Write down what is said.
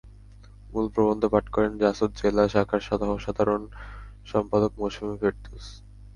মূল প্রবন্ধ পাঠ করেন জাসদ জেলা শাখার সহসাধারণ সম্পাদক মৌসুমি ফেরদৌস।